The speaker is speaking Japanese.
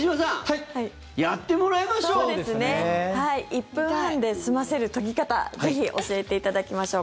１分半で済ませる研ぎ方ぜひ教えていただきましょう。